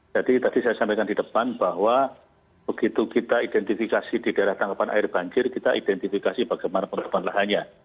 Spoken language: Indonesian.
jadi tadi saya sampaikan di depan bahwa begitu kita identifikasi di daerah tangkapan air banjir kita identifikasi bagaimana penutupan lahannya